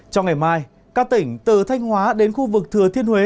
trong ngày mai các tỉnh từ thanh hóa đến khu vực thừa thiên huế